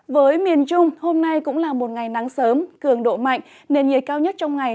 với miền trung hôm nay cũng là một ngày nắng sớm cường độ mạnh nền nhiệt cao nhất trong ngày